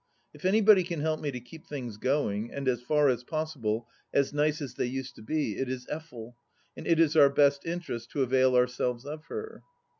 If anybody can help me to keep things going, and as far as possible as nice as they used to be, it is Effel, and it is our best interest to avail ourselves of her.